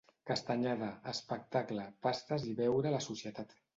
Castanyada: espectacle, pastes i beure a la societat.